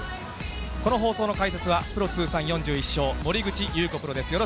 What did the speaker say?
この放送の解説は、プロ通算４１勝、森口祐子プロです。